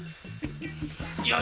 よし。